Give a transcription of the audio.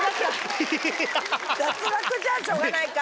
脱落じゃしょうがないか。